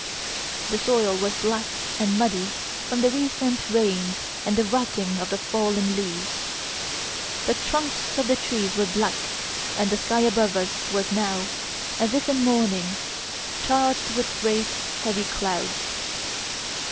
The soil was black and muddy from the recent rains and the rotting of the fallen leaves; the trunks of the trees were black and the sky above us was now, as if in mourning, charged with great, heavy clouds.